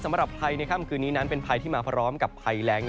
สำหรับไภนี้เป็นไภที่มาพร้อมกับไภแหล้ง